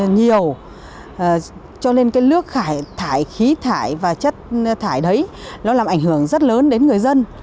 nhiều cho nên cái nước thải khí thải và chất thải đấy nó làm ảnh hưởng rất lớn đến người dân